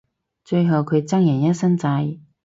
最後佢爭人一身債